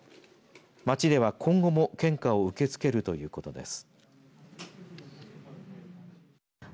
町では今後も献花を受け付けるということです。